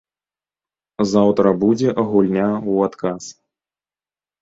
Заўтра будзе гульня ў адказ.